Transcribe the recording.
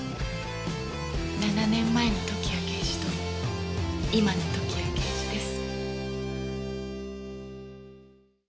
７年前の時矢刑事と今の時矢刑事です。